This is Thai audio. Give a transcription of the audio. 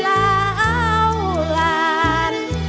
ขอเตือนท่านผู้อาศัยอย่าทำอะไรให้ไทยล้าอาวราญ